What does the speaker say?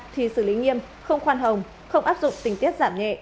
thì xử lý nghiêm không khoan hồng không áp dụng tình tiết giảm nhẹ